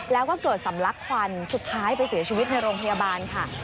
แล้วก็เกิดสำลักควันสุดท้ายไปเสียชีวิตในโรงพยาบาลค่ะ